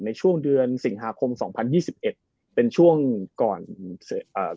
ในช่วงเดือนสิงหาคมสองพันยี่สิบเอ็ดเป็นช่วงก่อนเอ่อ